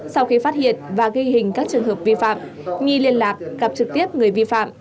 sau khi phát hiện và ghi hình các trường hợp vi phạm nghi liên lạc gặp trực tiếp người vi phạm